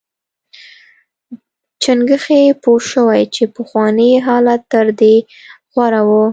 چنګښې پوه شوې چې پخوانی حالت تر دې غوره و.